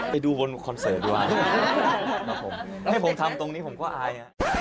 ไปดูบนคอนเสิร์ตดีกว่าครับผมให้ผมทำตรงนี้ผมก็อาย